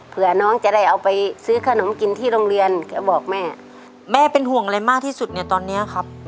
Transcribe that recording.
เพื่อน้องจะได้เอาไปซื้อขนมกินที่โรงเรียนก็บอกแม่แม่เป็นห่วงอะไรมากที่สุดในตอนเนี้ยครับ